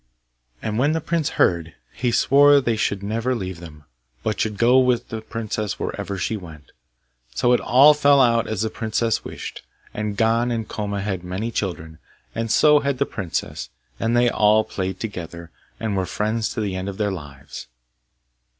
And when the prince heard, he swore they should never leave them, but should go with the princess wherever she went. So it all fell out as the princess wished; and Gon and Koma had many children, and so had the princess, and they all played together, and were friends to the end of their lives.